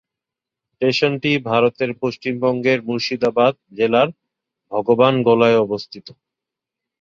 স্টেশনটি ভারতের পশ্চিমবঙ্গের মুর্শিদাবাদ জেলার ভগবানগোলায় অবস্থিত।